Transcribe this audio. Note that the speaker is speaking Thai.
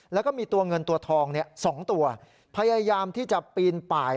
แล้วก็มีตัวเงินตัวทอง๒ตัวพยายามที่จะปีนป่าย